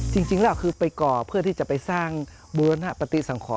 จริงแล้วคือไปก่อเพื่อที่จะไปสร้างบูรณปฏิสังขร